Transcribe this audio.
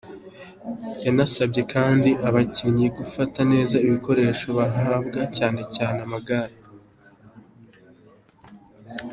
Yanasabye kandi abakinnyi gufata neza ibikoresho bahabwa, cyane cyane amagare.